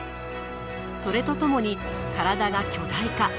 それとともに体が巨大化。